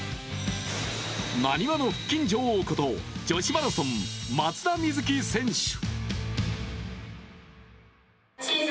なにわの腹筋女王こと女子マラソン、松田瑞生選手。